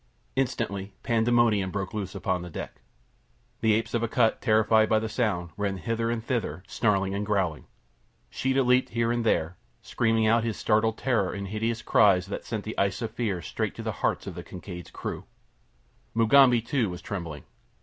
Instantly pandemonium broke loose upon the deck. The apes of Akut, terrified by the sound, ran hither and thither, snarling and growling. Sheeta leaped here and there, screaming out his startled terror in hideous cries that sent the ice of fear straight to the hearts of the Kincaid's crew. Mugambi, too, was trembling.